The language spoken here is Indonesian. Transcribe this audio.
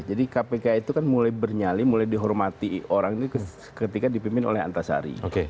jadi kpk itu kan mulai bernyali mulai dihormati orang ketika dipimpin oleh antasari